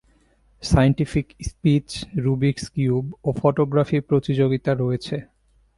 Scientific speech, Rubik's cube ও photography প্রতিযোগিতা রয়েছে।